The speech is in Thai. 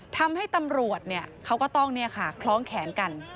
ทำให้ตำรวจเขาก็ต้องคล้องแขนกัน